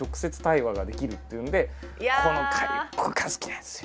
ここが好きなんですよ。